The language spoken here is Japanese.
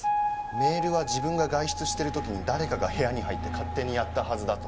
メールは自分が外出してる時に誰かが部屋に入って勝手にやったはずだと。